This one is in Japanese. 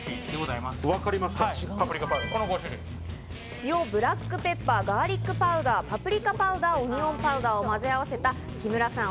塩、ブラックペッパー、ガーリックパウダー、パプリカパウダー、オニオンパウダーを混ぜ合わせた木村さん